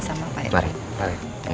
sama sama pak irvan